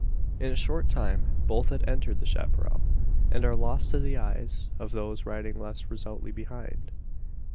In a short time both have entered the chapparal, and are lost to the eyes of those riding less resolutely behind.